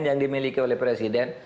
yang dimiliki oleh presiden